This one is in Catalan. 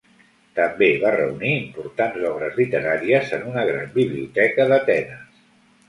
També va reunir importants obres literàries en una gran biblioteca d'Atenes.